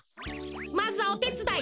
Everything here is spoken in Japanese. まずはおてつだい。